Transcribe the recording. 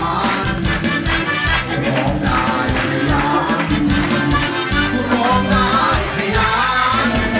ไม่พอได้พยานไม่พอได้พยาน